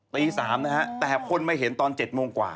ตี๓นะฮะแต่คนมาเห็นตอน๗โมงกว่า